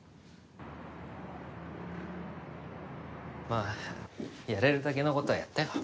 まあやれるだけの事はやったよ。